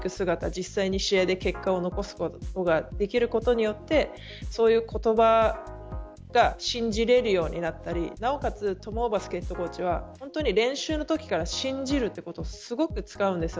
実際に試合で結果を残すことができることでそういう言葉が信じられるようになったりなおかつトム・ホーバスヘッドコーチは練習のときから信じるという言葉をすごく使うんです。